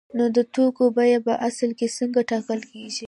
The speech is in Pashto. نو د توکو بیه په اصل کې څنګه ټاکل کیږي؟